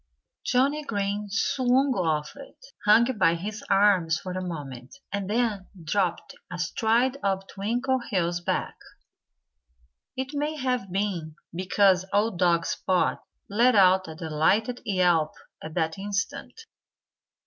Johnnie Green swung off it, hung by his arms for a moment, and then dropped astride of Twinkleheels' back. It may have been because old dog Spot let out a delighted yelp at that instant.